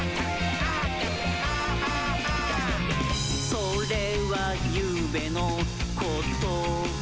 「それはゆうべのことだった」